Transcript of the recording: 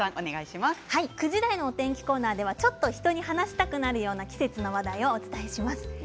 ９時台のお天気コーナーでは、ちょっと人に話したくなるような季節の話題をお伝えします。